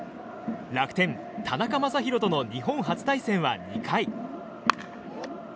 楽天、田中将大との日本初対戦は２回。